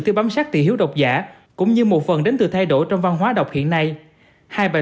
phát triển các tỷ hiếu độc giả cũng như một phần đến từ thay đổi trong văn hóa độc hiện nay hai bài